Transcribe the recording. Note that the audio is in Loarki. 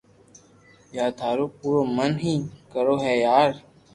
يا ٿرو پورو من ھي ڪرو ھي يار